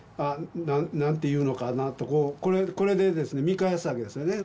何て言うのかなとこうこれで見返すわけですよね